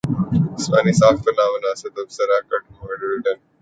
جسمانی ساخت پر نامناسب تبصرہ کیٹ مڈلٹن نے میگزین کو قانونی نوٹس بھجوادیا